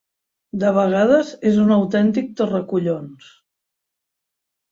De vegades és un autèntic torracollons.